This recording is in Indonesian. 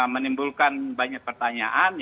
menimbulkan banyak pertanyaan